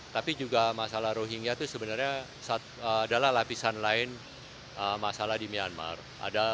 tapi juga masalah rohingya itu sebenarnya adalah lapisan lain masalah di myanmar